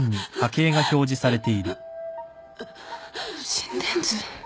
心電図？